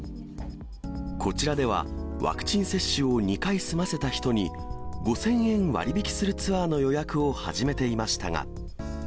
こちらではワクチン接種を２回済ませた人に、５０００円割引するツアーの予約を始めていましたが。